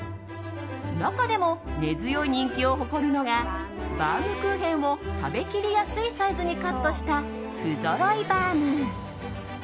中でも根強い人気を誇るのがバウムクーヘンを食べ切りやすいサイズにカットした不揃いバウム。